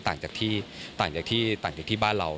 ต่างจากที่บ้านเรา